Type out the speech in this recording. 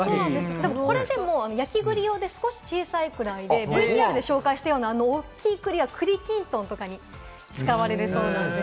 これでも焼き栗より少し小さいぐらいで、ＶＴＲで紹介した大きい栗は栗きんとんなどに使われるそうです。